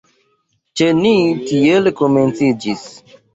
Ĉe ni tiel komenciĝis.